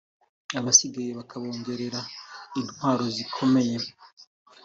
abasigaye akabongerere intwaro zikomeye